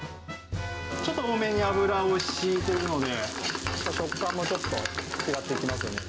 ちょっと多めに油をしいてるので、食感もちょっと違ってきますよね。